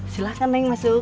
silahkan neng masuk